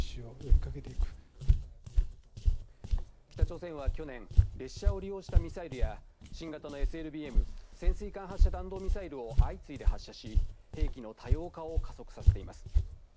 北朝鮮は去年、列車を利用したミサイルや、新型のＳＬＢＭ＝潜水艦発射弾道ミサイルを相次いで発射し、兵器の多様化を加速させています。